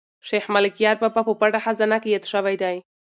شیخ ملکیار بابا په پټه خزانه کې یاد شوی دی.